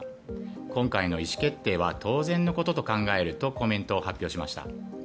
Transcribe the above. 今回の意思決定は当然のことと考えるとコメントを発表しました。